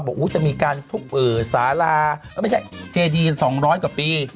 บอกอู๋จะมีการเฝิดสาราอ้อไม่ใช่ฮะ